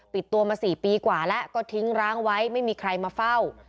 ปิดตัวมา๔ปีกว่าแล้วก็ทิ้งร้างไว้ไม่มีใครมาเฝ้า